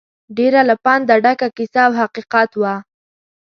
ډېره له پنده ډکه کیسه او حقیقت وه.